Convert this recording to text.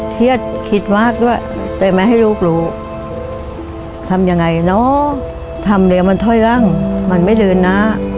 เครียดคิดมากด้วยแต่แม้ให้ลูกทำยังไงเนาะทำเหรียวมันท้อยร่างมันไม่ลืนนะ